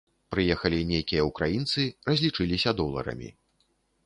Прыехалі нейкія ўкраінцы, разлічыліся доларамі.